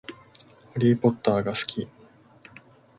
ハリーポッターが好き